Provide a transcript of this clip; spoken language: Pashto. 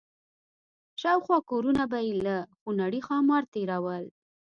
شاوخوا کورونه به یې لکه خونړي ښامار تېرول.